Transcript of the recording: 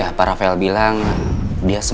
ia dapat kita melahirkan darigsena